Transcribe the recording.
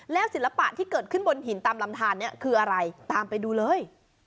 ศิลปะที่เกิดขึ้นบนหินตามลำทานเนี่ยคืออะไรตามไปดูเลย